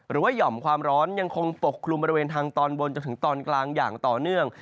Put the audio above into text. หย่อมความร้อนยังคงปกคลุมบริเวณทางตอนบนจนถึงตอนกลางอย่างต่อเนื่อง